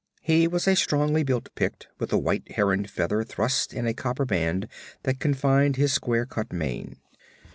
He was a strongly built Pict with a white heron feather thrust in a copper band that confined his square cut mane.